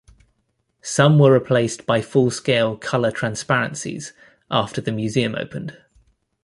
Some were replaced by full-scale color transparencies after the museum opened.